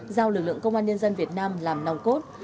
giao lực lượng công an nhân dân việt nam làm nòng cốt